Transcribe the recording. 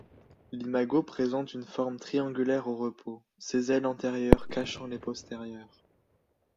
L'imago présente une forme triangulaire au repos, ses ailes antérieures cachant les postérieures.